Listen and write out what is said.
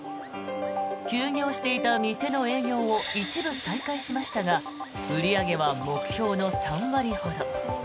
休業していた店の営業を一部再開しましたが売り上げは目標の３割ほど。